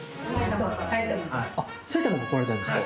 埼玉から来られたんですか？